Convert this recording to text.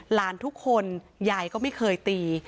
หลานทุกคนยายก็ไม่เคยตี